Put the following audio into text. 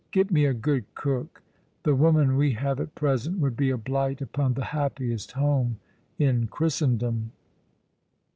Get me a good cook. The woman we have at present would be a blight upon the happiest home in Christendom."